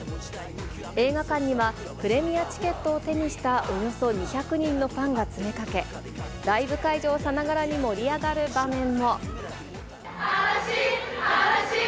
映画館にはプレミアチケットを手にしたおよそ２００人のファンが詰めかけ、ライブ会場さながらに盛り上がる場面も。